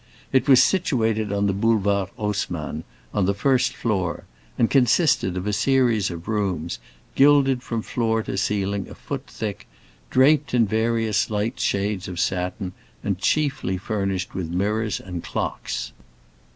It was situated on the Boulevard Haussmann, on the first floor, and consisted of a series of rooms, gilded from floor to ceiling a foot thick, draped in various light shades of satin, and chiefly furnished with mirrors and clocks.